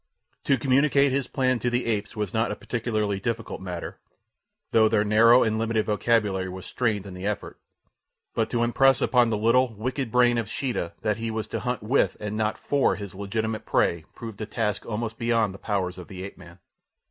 To communicate his plan to the apes was not a particularly difficult matter, though their narrow and limited vocabulary was strained in the effort; but to impress upon the little, wicked brain of Sheeta that he was to hunt with and not for his legitimate prey proved a task almost beyond the powers of the ape man.